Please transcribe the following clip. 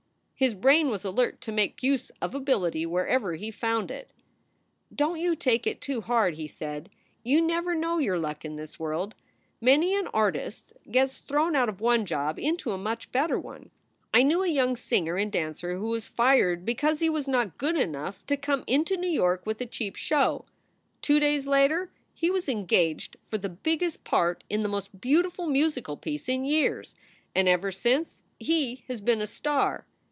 His brain was alert to make use of ability wherever he found it. " Don t you take it too hard," he said. "You never know your luck in this w r orld. Many an artist gets thrown out of one job into a much better one. I knew a young singer and dancer who was fired because he was not good enough to come into New York with a cheap show. Two days later he was engaged for the biggest part in the most beautiful musical piece in years, and ever since he has been a star.